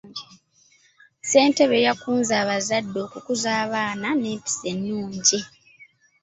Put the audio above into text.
Ssentebe yakunze abazadde okukuza abaana n'empisa ennungi.